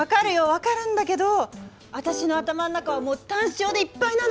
分かるんだけど私の頭の中はもうタン塩でいっぱいなのよ！